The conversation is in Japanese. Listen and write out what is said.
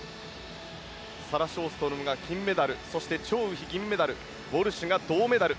サラ・ショーストロムが金メダルそしてチョウ・ウヒ、銀メダルウォルシュが銅メダル。